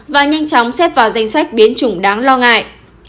và nhanh chóng xếp vào danh sách biến chủng đáng lo ngại